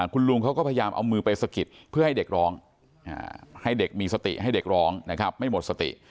คุณลุงเขาก็พยายามเอามือไปสะกิดเพื่อให้เด็กร้องให้เด็กมีสติให้เด็กร้องนะครับไม่หมดสติ